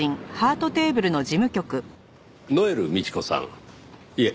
ノエル美智子さんいえ